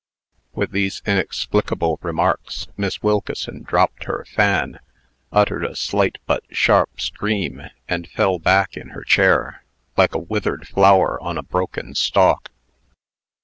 "With these inexplicable remarks, Miss Wilkeson dropped her fan, uttered a slight but sharp scream, and fell back in her chair, like a withered flower on a broken stalk.